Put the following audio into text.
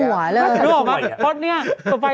นึกออกป่ะเพราะภรรยากรเนี่ย